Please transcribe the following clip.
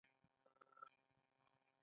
زما زړه درد کوي